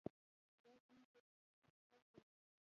دا زموږ د تحقیق حال دی.